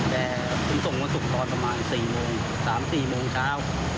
แต่คุณส่งวันศุกร์ตอนประมาณสี่โมงสามสี่โมงเช้า